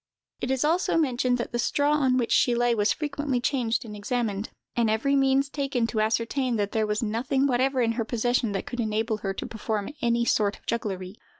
It is also mentioned that the straw on which she lay was frequently changed and examined, and every means taken to ascertain that there was nothing whatever in her possession that could enable her to perform any sort of jugglery.